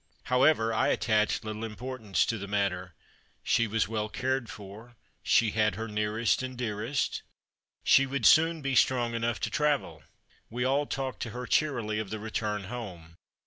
However, I attached little imj)ortance to the matter. She was Avell cared for ; she had her nearest and dearest. She would soon be strong enough to travel. We all talked to her cheerily of the return home.